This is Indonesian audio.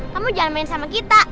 kamu jangan main sama kita